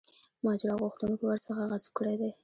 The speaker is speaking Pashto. ماجرا غوښتونکو ورڅخه غصب کړی دی.